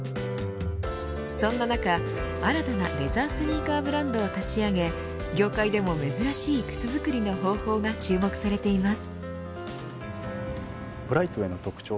そんな中、新たなレザースニーカーブランドを立ち上げ業界でも珍しい靴作りの方法が注目されています。